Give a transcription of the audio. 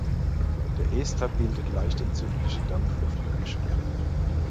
Der Ester bildet leicht entzündliche Dampf-Luft-Gemische.